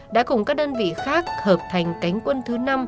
đã cùng các đơn vị khác hợp thành cánh quân thứ năm